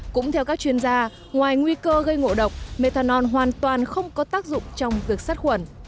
cũng theo các chuyên gia ngoài nguy cơ gây ngộ độc methanol hoàn toàn không có tác dụng trong việc sát khuẩn